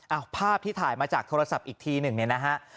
เอาภาพที่ถ่ายมาจากโทรศัพท์อีกทีหนึ่งเนี่ยนะฮะ